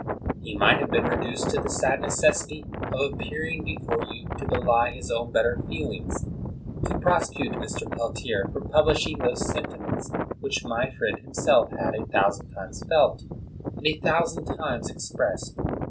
He 110 MACKINTOSH might have been reduced to the sad necessity of appearing before you to belie his own better feelings, to prosecute Mr. Peltier for publishing those sentiments which my friend himself had a thousand times felt, and a thousand times ex pressed.